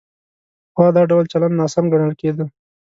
پخوا دا ډول چلند ناسم ګڼل کېده.